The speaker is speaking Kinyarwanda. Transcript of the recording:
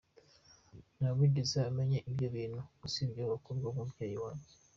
Ntawigeze amenya ibyo bintu usibye abo bakobwa n’umubyeyi wanjye.